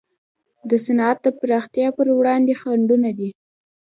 د صنعت د پراختیا پر وړاندې خنډونه دي.